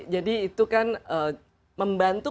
jadi itu kan membantu